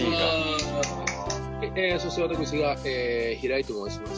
そして私が平井と申します。